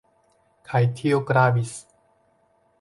Kaj tio gravis.